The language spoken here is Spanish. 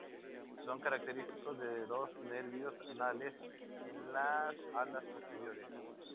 Son característicos dos nervios anales en las alas posteriores.